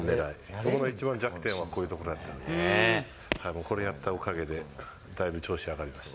僕の一番の弱点はこういうところだったので、これをやったおかげで大夫調子上がりました。